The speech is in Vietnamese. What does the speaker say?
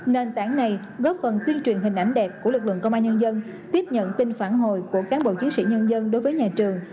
nền tảng này góp phần tuyên truyền hình ảnh đẹp của lực lượng công an nhân dân tiếp nhận tin phản hồi của cán bộ chiến sĩ nhân dân đối với nhà trường